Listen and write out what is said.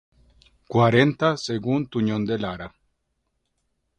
Cuarenta, según Tuñón de Lara.